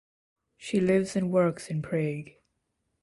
She lives and works in Prague